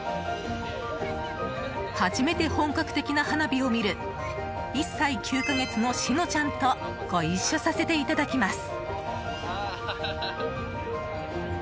初めて本格的な花火を見る１歳９か月の詩乃ちゃんとご一緒させていただきます。